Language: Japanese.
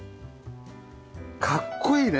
かっこいいね！